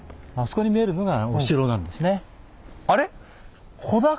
あれ？